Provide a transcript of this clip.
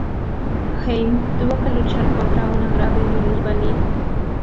Heim tuvo que luchar contra una grave minusvalía.